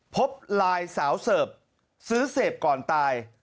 พบไลน์สาวเสิร์ฟซื้อเสพก่อนตาย